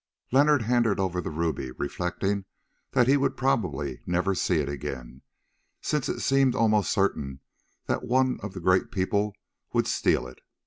Leonard handed over the ruby, reflecting that he would probably never see it again, since it seemed almost certain that one of the Great People would steal it.